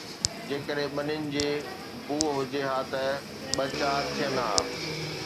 جيڪڏهن ٻنين جي بوءِ هجي ها ته ٻه چار ٿين ها